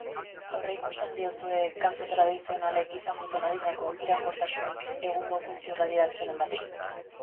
Aurreikusten diozue kantu tradizionalek izan duten adinako iraunkortasunik egungo kultur adierazpenen bati?